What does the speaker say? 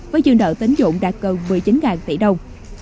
với dương đợi tín dụng đạt gần một mươi chín tỷ đồng